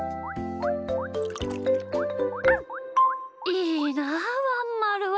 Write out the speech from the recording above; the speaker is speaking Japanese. いいなあワンまるは。